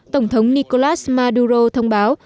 tổng thống nicolás maduro thông báo